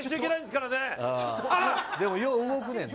でもよう動くねんな。